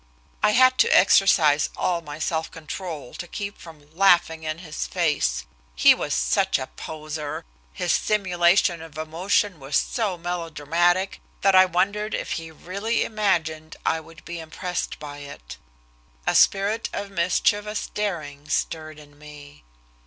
I had to exercise all my self control to keep from laughing in his face. He was such a poseur, his simulation of emotion was so melodramatic that I wondered if he really imagined I would be impressed by it. A spirit of mischievous daring stirred in me.